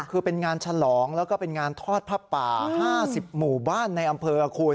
คือเป็นงานฉลองแล้วก็เป็นงานทอดผ้าป่า๕๐หมู่บ้านในอำเภอคุณ